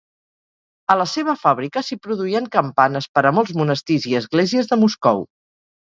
A la seva fàbrica s'hi produïen campanes per a molts monestirs i esglésies de Moscou.